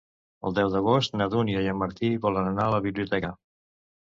El deu d'agost na Dúnia i en Martí volen anar a la biblioteca.